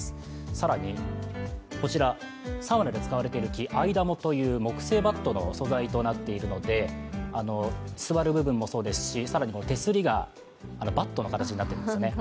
更に、サウナで使われている木、アイダモという木製バットの素材となっているので、座る部分もそうですし、更に手すりがバットの形になってるんですよね。